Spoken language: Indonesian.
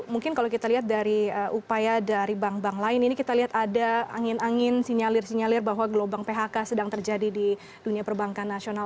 mungkin kalau kita lihat dari upaya dari bank bank lain ini kita lihat ada angin angin sinyalir sinyalir bahwa gelombang phk sedang terjadi di dunia perbankan nasional